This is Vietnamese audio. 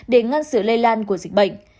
để ngăn sự lây lan của dịch bệnh